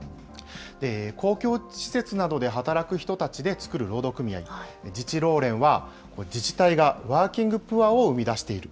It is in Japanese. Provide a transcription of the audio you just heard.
公共施設などで働く人たちで作る労働組合、自治労連は、自治体がワーキングプアを生み出している。